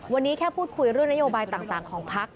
วันนี้แค่พูดคุยเรื่องนโยบายต่างของพัก